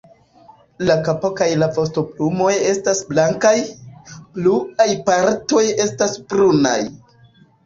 La kapo kaj la vostoplumoj estas blankaj, pluaj partoj estas brunaj.